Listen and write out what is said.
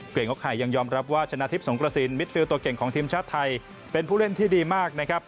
เก่งนกไข่ยังยอมรับว่าชนะทิพย์สงกระสินมิดฟิลตัวเก่งของทีมชาติไทยเป็นผู้เล่นที่ดีมากนะครับ